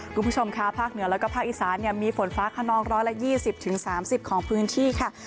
คุณผู้ชมค่ะภาคเหนือแล้วก็ภาคอีสานมีฝนฟ้าขนอง๑๒๐๓๐ของพื้นที่ค่ะ